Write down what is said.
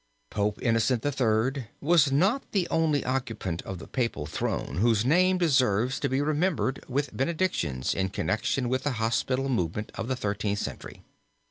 Pope Innocent III. was not the only occupant of the papal throne whose name deserves to be remembered with benedictions in connection with the hospital movement of the Thirteenth Century.